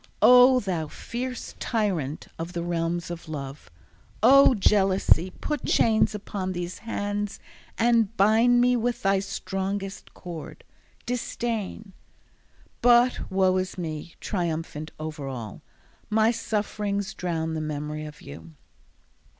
Oh, thou fierce tyrant of the realms of love, Oh, Jealousy! put chains upon these hands, And bind me with thy strongest cord, Disdain. But, woe is me! triumphant over all, My sufferings drown the memory of you.